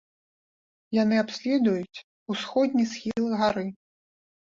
Яны абследуюць усходні схіл гары.